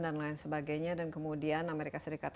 dan lain sebagainya dan kemudian amerika serikat